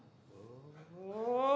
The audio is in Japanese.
お！